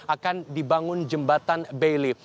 akan dibangun jembatan bailey